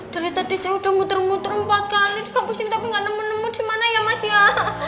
dari tadi saya udah muter muter empat kali di kampus ini tapi gak nemu nemu dimana ya mas ya